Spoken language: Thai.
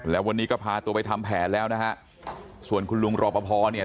แล้ววันนี้ก็พาตัวไปทำแผนแล้วนะฮะส่วนคุณลุงรอปภเนี่ย